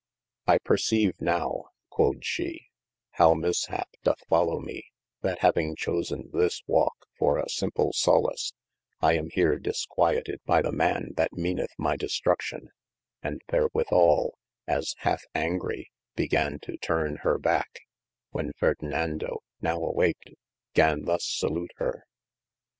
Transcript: I perceive nowe (quod she) howe mishap doth follow me, that having chosen this walke for a simple solace, I am here disquieted by the man that meaneth my destruction: and therwithall, as half angry, began to turne hir backe, when Ferdinando (now awaked) gan thus salute hir.